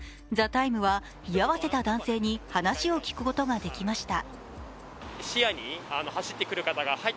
「ＴＨＥＴＩＭＥ，」は居合わせた男性に話を聞くことができました。